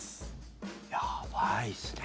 やばいっすね。